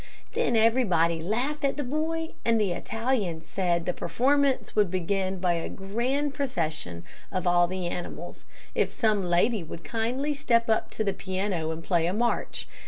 "Then everybody laughed at the boy, and the Italian said the performance would begin by a grand procession of all the animals, if some lady would kindly step up to the piano and play a march.